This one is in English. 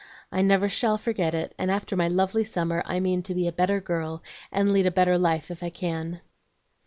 I never shall forget it, and after my lovely summer I mean to be a better girl, and lead a better life if I can."